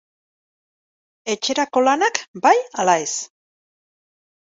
Etxerako lanak bai ala ez?